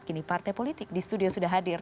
kini partai politik di studio sudah hadir